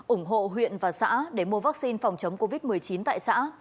ủng hộ huyện và xã để mua vaccine phòng chống covid một mươi chín tại xã